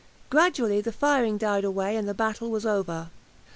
Gradually the firing died away and the battle was over.